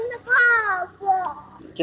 kau tahu kakak